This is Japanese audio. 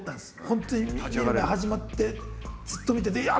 本当に始まってずっと見てていや